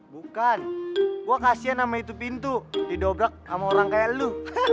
bukan gue kasian sama itu pintu didobrak sama orang kayak lu